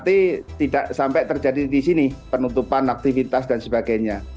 berarti tidak sampai terjadi di sini penutupan aktivitas dan sebagainya